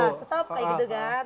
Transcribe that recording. ya stop kayak gitu kan